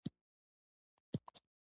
د خلکو ستونزو ته غوږ نیول مهرباني ښيي.